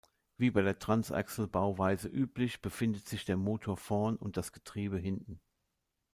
Wie bei der Transaxle-Bauweise üblich befindet sich der Motor vorn und das Getriebe hinten.